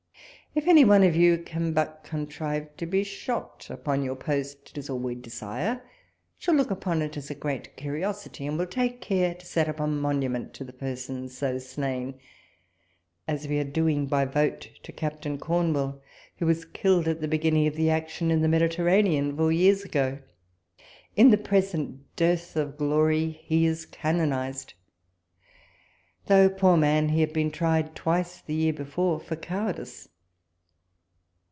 If any one of you can but contrive to be shot upon your post, it is all we desire, shall look upon it as a great curiosity, and will take care to set up a monument to the person so slain ; as we are doing by vote to Captain Cornewall, w^ho was killed at the beginning of the action in the Mediterranean four years ago. In the present dearth of glory, he is canonized ; though, poor man ! he had been tried twice the year before for cowardice.